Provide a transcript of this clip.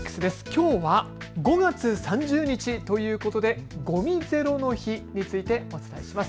きょうは５月３０日ということでごみゼロの日についてお伝えします。